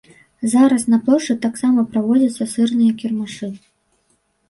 Зараз на плошчы таксама праводзяцца сырныя кірмашы.